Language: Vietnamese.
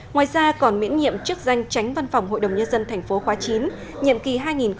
ngoài ra còn miễn nhiệm chức danh tránh văn phòng hội đồng nhân dân tp khóa chín nhiệm kỳ hai nghìn một mươi sáu hai nghìn hai mươi một